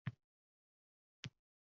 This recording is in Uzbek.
Kaftini peshonasiga soyabonlab qaradi.